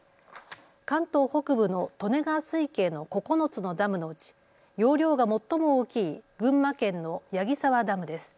関東北部の利根川水系の９つのダムのうち容量が最も大きい群馬県の矢木沢ダムです。